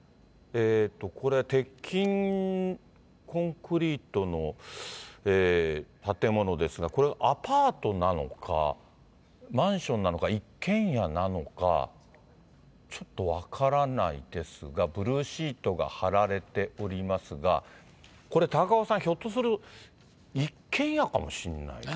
えーと、これ、鉄筋コンクリートの建物ですが、これ、アパートなのか、マンションなのか、一軒家なのか、ちょっと分からないですが、ブルーシートが張られておりますが、これ、高岡さん、ひょっとする、一軒家かもしれないね。